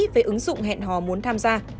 về ứng dụng hẹn hò muốn tham gia